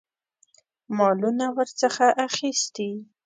مالونه ورڅخه اخیستي.